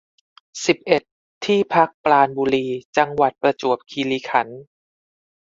สิบเอ็ด ที่พักปราณบุรี จังหวัดประจวบคีรีขันธ์